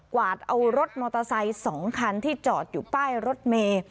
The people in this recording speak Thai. วาดเอารถมอเตอร์ไซค์๒คันที่จอดอยู่ป้ายรถเมย์